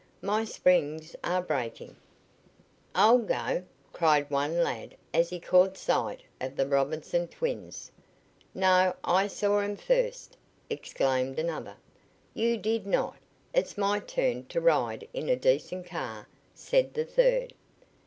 My springs are breaking." "I'll go!" cried one lad as he caught sight of the Robinson twins. "No, I saw 'em first!" exclaimed another. "You did not! It's my turn to ride in a decent car," said the third.